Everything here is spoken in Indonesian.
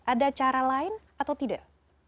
ada cara lain atau tidak